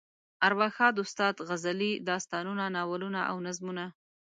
ارواښاد استاد غزلې، داستانونه، ناولونه او نظمونه.